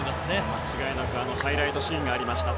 間違いなくハイライトシーンになりました。